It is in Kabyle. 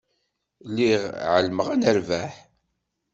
Lliɣ εelmeɣ ad nerbeḥ.